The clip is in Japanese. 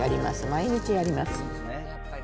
毎日やります。